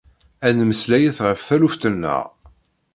Ad nemmeslayet ɣef taluft nneɣ